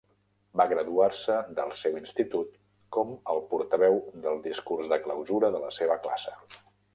Va graduar-se del seu institut com el portaveu del discurs de clausura de la seva classe.